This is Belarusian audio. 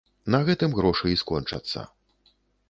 На гэтым грошы і скончацца.